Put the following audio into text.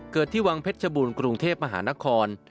เกิดที่วังเพชรบูรณ์กรุงเทพฯอาหารคล